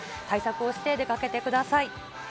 対策をして出かけてください。